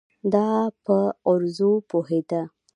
دای په عروضو پوهېده.